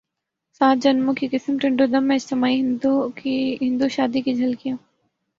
سات جنموں کی قسم ٹنڈو دم میں اجتماعی ہندو شادی کی جھلکیاں